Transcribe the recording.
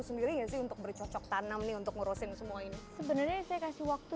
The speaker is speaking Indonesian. sendiri ya sih untuk bercocok tanam nih untuk ngurusin semua ini sebenarnya saya kasih waktu